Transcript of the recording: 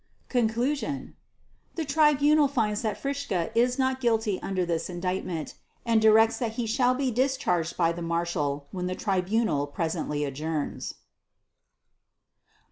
Conclusion The Tribunal finds that Fritzsche is not guilty under this Indictment, and directs that he shall be discharged by the Marshal when the Tribunal presently adjourns.